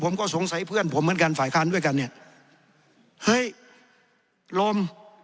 ผมก็สงสัยเพื่อนผมเหมือนกันฝ่ายค้านด้วยกันเนี่ยเฮ้ยลม